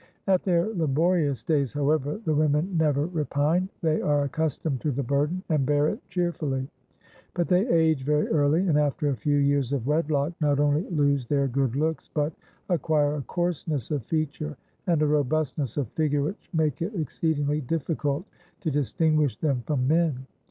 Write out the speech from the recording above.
At their laborious days, however, the women never repine; they are accustomed to the burden, and bear it cheerfully; but they age very early, and after a few years of wedlock, not only lose their good looks, but acquire a coarseness of feature and a robustness of figure which make it exceedingly difficult to distinguish them from men.